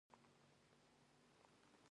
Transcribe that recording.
د کونړ سیند اوبه چیرته ځي؟